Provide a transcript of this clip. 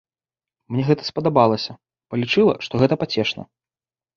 Мне гэта спадабалася, палічыла, што гэта пацешна.